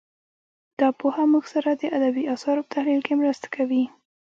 دا پوهه موږ سره د ادبي اثارو په تحلیل کې مرسته کوي